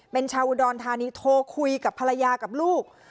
เป็นชาวอุดรธานีโทรคุยกับภรรยากับลูก